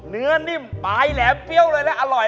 นิ่มปลายแหลมเปรี้ยวเลยและอร่อย